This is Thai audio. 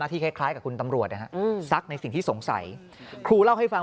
ที่คล้ายกับคุณตำรวจนะฮะซักในสิ่งที่สงสัยครูเล่าให้ฟัง